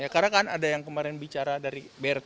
karena kan ada yang kemarin bicara dari bnd